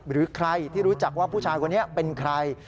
หรือใครที่รู้จักว่าผู้ชายคนนี้เป็นใคร